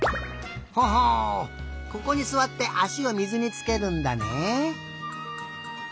ほほうここにすわってあしを水につけるんだね。